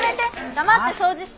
黙って掃除して。